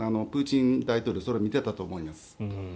プーチン大統領はそれを見ていたと思います。